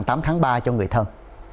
tám tháng ba cho người thân